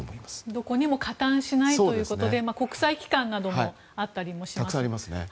どこにも加担しないということで国際機関などもあったりもしますね。